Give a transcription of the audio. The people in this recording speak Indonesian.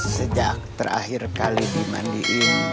sejak terakhir kali dimandiin